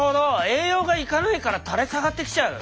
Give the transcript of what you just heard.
栄養が行かないから垂れ下がってきちゃう。